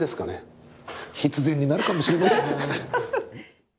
必然になるかもしれません。